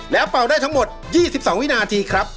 แล้วเป่าได้ทั้งหมด๒๒วินาทีครับ